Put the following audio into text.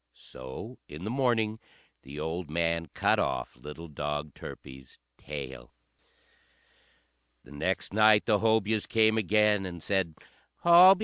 So in the morning the old man cut off little dog Turpie's tail. The next night the Hobyahs came again, and said, "Hobyah! Hobyah!